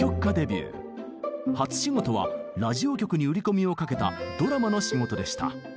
初仕事はラジオ局に売り込みをかけたドラマの仕事でした。